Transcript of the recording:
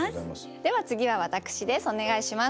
では次は私です。